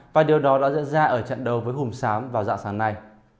và điều đó đã diễn ra ở trận đầu với hùng sám vào dạ sáng nay